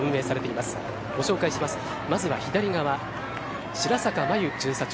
まずは左側白坂真由巡査長。